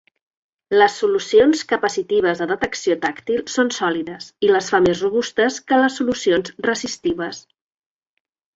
Les solucions capacitives de detecció tàctil són sòlides, i les fa més robustes que les solucions resistives.